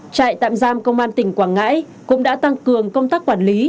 trại tạm giam công an tỉnh quảng ngãi cũng đã tăng cường công tác quản lý